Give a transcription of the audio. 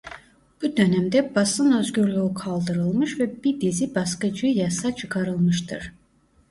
Bu dönemde basın özgürlüğü kaldırılmış ve bir dizi baskıcı yasa çıkarılmıştır.